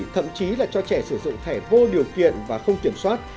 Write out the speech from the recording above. thậm chí là cho trẻ sử dụng thẻ vô điều kiện và không kiểm soát